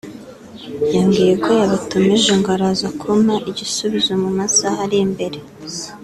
yambwiye ko yabatumije ngo araza kumpa igisubizo mu masaha ari imbere